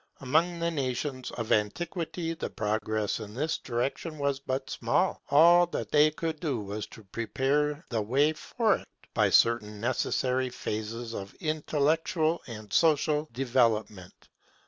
Among the nations of antiquity the progress in this direction was but small; all that they could do was to prepare the way for it by certain necessary phases of intellectual and social development.